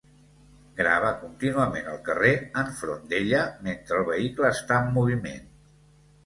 Grava contínuament el carrer enfront d'ella mentre el vehicle està en moviment.